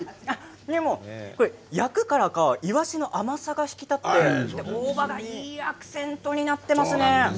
でも焼くからかいわしの甘さが引き立って大葉がいいアクセントになっていますね。